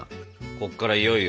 こっからいよいよ。